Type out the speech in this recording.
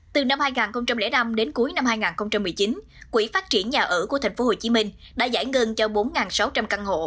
từ năm hai nghìn năm đến cuối năm hai nghìn một mươi chín quỹ phát triển nhà ở của tp hcm đã giải ngân cho bốn sáu trăm linh căn hộ